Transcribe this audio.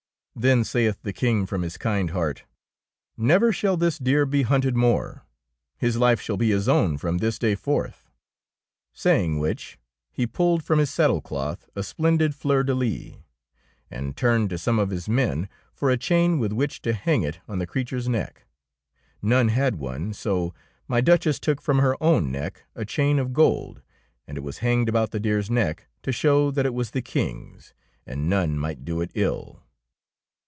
Then saith the King from his kind heart, — "Never shall this deer be hunted more. His life shall be his own from this day forth." Saying which, he pulled from his saddle cloth a splendid fleur de lys, and turned to some of his men for a chain with which to hang it on the creature's neck. None had one ; so my Duchess took from her own neck a chain of gold, and it was hanged about the deer's neck to show that it was the King's, and none might do it ill.